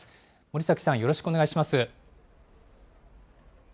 森崎さん、よろしくお願いします。